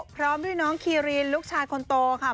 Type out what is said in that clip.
พร้อมด้วยน้องคีรีนลูกชายคนโตค่ะ